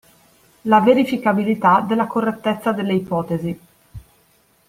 La verificabilità della correttezza delle ipotesi.